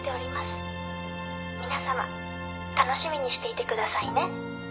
「皆様楽しみにしていてくださいね」